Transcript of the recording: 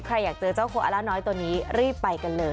อยากเจอเจ้าโคอล่าน้อยตัวนี้รีบไปกันเลย